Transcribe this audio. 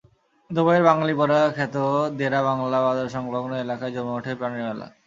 দুবাইয়ের বাঙালিপাড়া খ্যাত দেরা বাংলা বাজারসংলগ্ন এলাকায় জমে ওঠে প্রাণের মেলা।